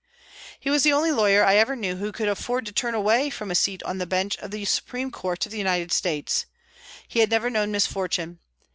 He was the only lawyer I ever knew who could afford to turn away from a seat on the bench of the Supreme Court of the United States. He had never known misfortune.